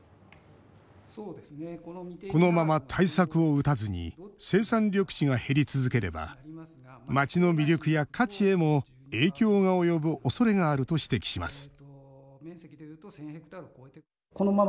このまま対策を打たずに生産緑地が減り続ければ街の魅力や価値へも影響が及ぶおそれがあると指摘します